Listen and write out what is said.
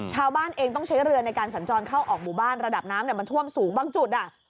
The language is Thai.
ชาวบ้านเองต้องใช้เรือในการสัญจรเข้าออกหมู่บ้านระดับน้ำมันท่วมสูงบางจุด